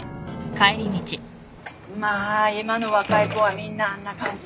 まあ今の若い子はみんなあんな感じだよね。